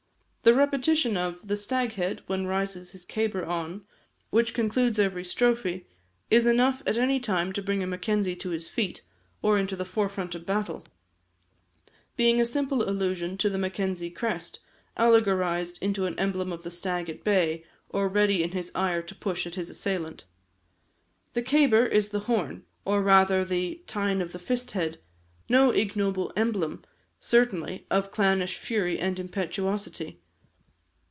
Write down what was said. The repetition of "the Staghead, when rises his cabar on," which concludes every strophe, is enough at any time to bring a Mackenzie to his feet, or into the forefront of battle, being a simple allusion to the Mackenzie crest, allegorised into an emblem of the stag at bay, or ready in his ire to push at his assailant. The cabar is the horn, or, rather, the "tine of the first head," no ignoble emblem, certainly, of clannish fury and impetuosity.